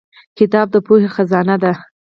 کتاب د پوهې خزانه ده